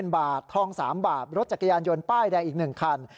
บาททอง๓บาทรถจักรยานยนต์ป้ายแดงอีก๑คัน